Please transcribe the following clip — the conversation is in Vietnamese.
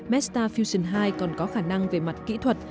mesta fusion hai còn có khả năng về mặt kỹ thuật